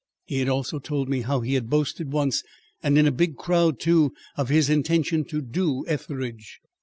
He had also told me how he had boasted once, and in a big crowd, too, of his intention to do Etheridge.